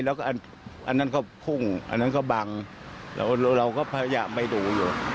แล้วก็อันนั้นก็พุ่งอันนั้นก็บังเราก็พยายามไปดูอยู่